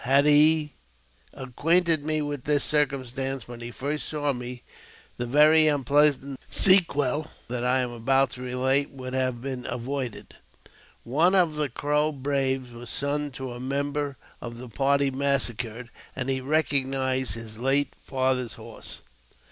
Had he acquainted me with this circumstance when he first saw me the very unpleasant sequel that I am about to relate woul( have been avoided. One of the Crow braves was son to a member of the party massacred, and he recognized his late father's horse.